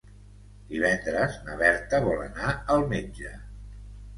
Divendres na Berta vol anar al metge.